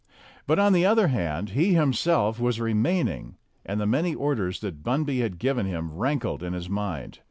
But, on the other hand, he himself was remaining, and the many orders that Bunby had given him rankled in his mind.